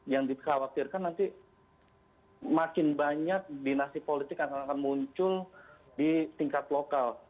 yang dikhawatirkan nanti makin banyak dinasti politik yang akan muncul di tingkat lokal